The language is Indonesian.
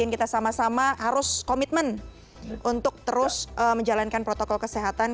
kita sama sama harus komitmen untuk terus menjalankan protokol kesehatan